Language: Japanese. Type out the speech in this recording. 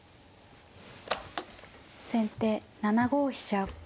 先手７五飛車。